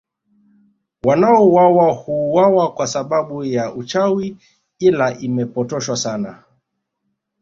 Wanaouwawa huuwawa kwa sababu ya uchawi ila imepotoshwa sana